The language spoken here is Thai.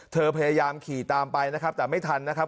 พยายามขี่ตามไปนะครับแต่ไม่ทันนะครับ